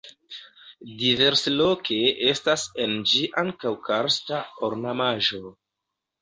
Diversloke estas en ĝi ankaŭ karsta ornamaĵo.